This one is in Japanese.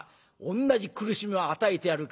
同じ苦しみを与えてやるからな。